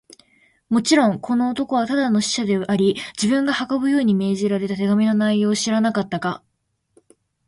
もちろん、この男はただの使者であり、自分が運ぶように命じられた手紙の内容を知らなかったが、